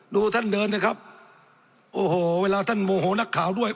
ดูท่านเดินนะครับโอ้โหเวลาท่านโมโหนักข่าวด้วย